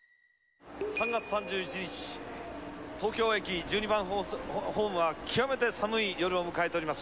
３月３１日、東京駅１２番ホームは、極めて寒い夜を迎えております。